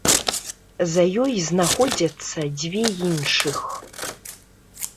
За ёй знаходзяцца дзве іншых.